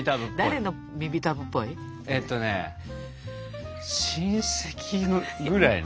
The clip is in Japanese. えっとね親戚ぐらいの。